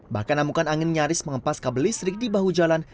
bahkan amukan angin nyaris mengempas kabel listrik di bahu jalan